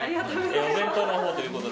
お弁当のほうということで。